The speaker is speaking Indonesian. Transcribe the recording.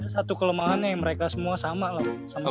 satu kelemahannya mereka semua sama lah